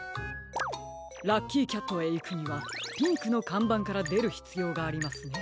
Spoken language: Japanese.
ラッキーキャットへいくにはピンクのかんばんからでるひつようがありますね。